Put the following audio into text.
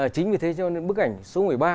chính vì thế cho nên bức ảnh số một mươi ba